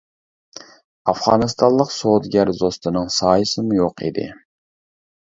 ئافغانىستانلىق سودىگەر دوستىنىڭ سايىسىمۇ يوق ئىدى.